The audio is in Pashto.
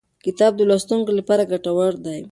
کتاب د لوستونکو لپاره ګټور دی.